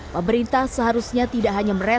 pemerintah seharusnya tidak akan mencari penyelidikan